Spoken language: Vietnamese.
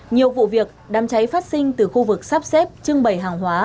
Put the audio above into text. nhiều vụ việc đám cháy phát sinh từ khu vực sắp xếp trưng bày hàng hóa